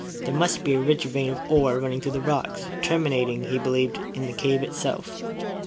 There must be a rich vein of ore running through the rocks, terminating, he believed, in the cave itself.